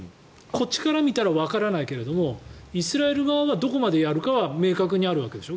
こっちから見たらわからないけれどイスラエル側はどこまでやるか明確にあるわけでしょ？